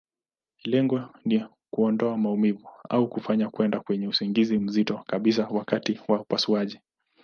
Lengo ni kuondoa maumivu, au kufanya kwenda kwenye usingizi mzito kabisa wakati wa upasuaji.